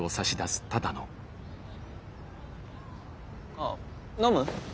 あっ飲む？